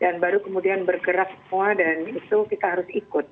dan baru kemudian bergerak semua dan itu kita harus ikut